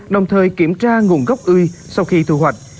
đồng thời kiểm tra nguồn gốc uy sau khi thu hoạch